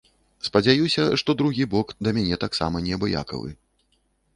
Спадзяюся, што другі бок да мяне таксама неабыякавы.